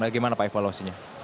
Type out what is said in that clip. bagaimana pak evaluasinya